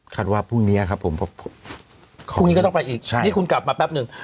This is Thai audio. ว่าพรุ่งนี้ครับผมพรุ่งนี้ก็ต้องไปอีกใช่นี่คุณกลับมาแป๊บหนึ่ง